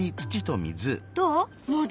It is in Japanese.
どう？